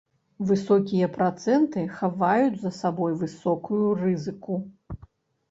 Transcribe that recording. Высокія працэнты хаваюць за сабой высокую рызыку.